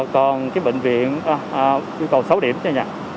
còn cái bệnh viện yêu cầu sáu điểm nha